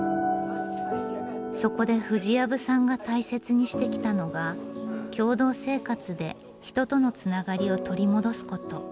そこで藤藪さんが大切にしてきたのが共同生活で人とのつながりを取り戻すこと。